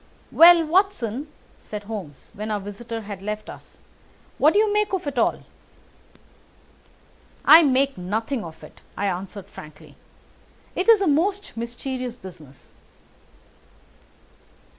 "Well, Watson," said Holmes when our visitor had left us, "what do you make of it all?" "I make nothing of it," I answered frankly. "It is a most mysterious business."